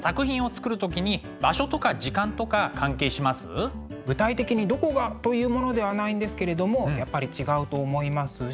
ちなみに井上さんは具体的にどこがというものではないんですけれどもやっぱり違うと思いますし。